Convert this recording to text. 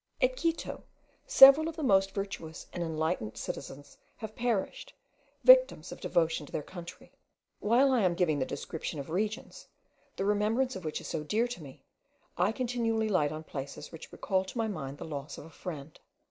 At Quito several of the most virtuous and enlightened citizens have perished, victims of devotion to their country. While I am giving the description of regions, the remembrance of which is so dear to me, I continually light on places which recall to my mind the loss of a friend.